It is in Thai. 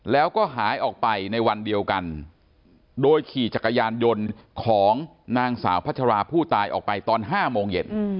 แล้วก็หายออกไปในวันเดียวกันโดยขี่จักรยานยนต์ของนางสาวพัชราผู้ตายออกไปตอน๕โมงเย็น